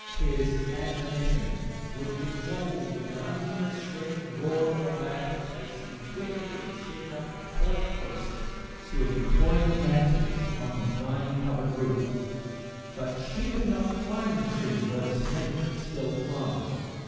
His admonition would dissolve in an unrestrained roar of laughter as she wickedly "shinned" up the porch post to a coign of vantage on the vine covered roof. But she could not climb the tree where the snake still clung.